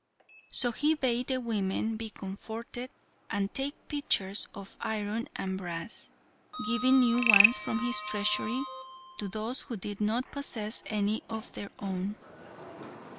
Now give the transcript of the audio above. So he bade the women be comforted, and take pitchers of iron and brass, giving new ones from his treasury to those who did not possess any of their own.